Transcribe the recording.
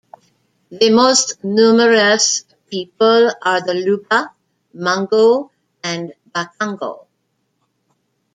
The most numerous people are the Luba, Mongo, and Bakongo.